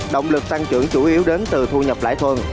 động lực tăng trưởng chủ yếu đến từ thu nhập lãi thuần